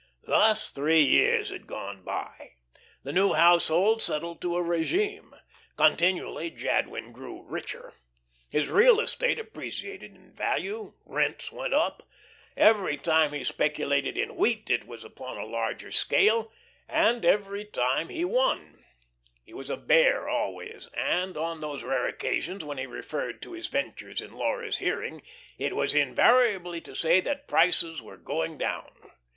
Thus three years had gone by. The new household settled to a regime. Continually Jadwin grew richer. His real estate appreciated in value; rents went up. Every time he speculated in wheat, it was upon a larger scale, and every time he won. He was a Bear always, and on those rare occasions when he referred to his ventures in Laura's hearing, it was invariably to say that prices were going down.